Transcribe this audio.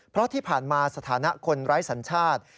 เพราะที่ผ่านมาสถานะคนไร้สัญชาติ